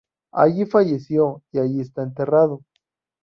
Allí falleció y allí está enterrado.